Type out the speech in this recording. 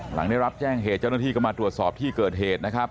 หลังได้รับแจ้งเหตุเจ้าหน้าที่ก็มาตรวจสอบที่เกิดเหตุนะครับ